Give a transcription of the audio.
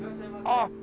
ああ。